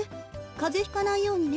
かぜひかないようにね。